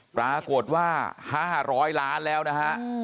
ปรากฏว่า๕๐๐ล้านแล้วนะฮะ